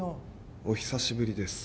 お久しぶりです。